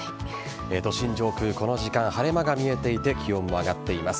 都心上空、この時間晴れ間が見えていて気温は上がっています。